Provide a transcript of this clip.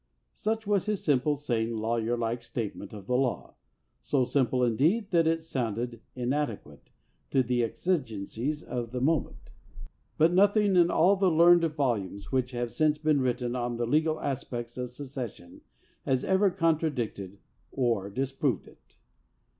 Such was his simple, sane, lawyer like state ment of the law— so simple, indeed, that it sounded inadequate to the exigencies of the moment; but nothing in all the learned volumes which have since been written on the legal aspects of secession has ever contradicted or disproved it.